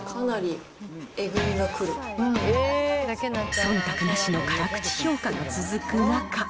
そんたくなしの辛口評価が続く中。